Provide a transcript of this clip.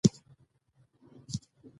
رسوب د افغانستان د سیلګرۍ برخه ده.